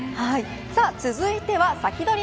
続いてはサキドリ！